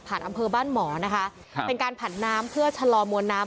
อำเภอบ้านหมอนะคะครับเป็นการผันน้ำเพื่อชะลอมวลน้ำ